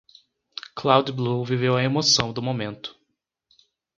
Cloud-Blue viveu a emoção do momento.